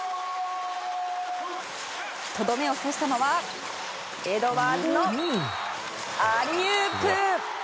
とどめを刺したのはエドワーズのアリウープ！